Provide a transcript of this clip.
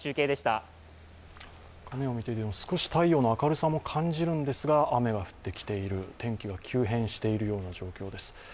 少し太陽の明るさも感じるんですが雨は降ってきている、天気が急変してきているような状況です。